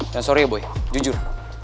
jangan sorry ya boy jujur